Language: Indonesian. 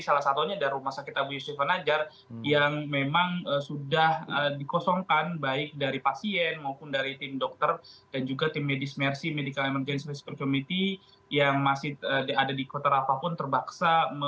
yang masih ada di kota rafah pun terbaksa menghentikan segala aktivitas